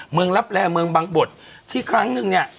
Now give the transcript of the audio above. รับแร่เมืองบังบทที่ครั้งนึงเนี่ย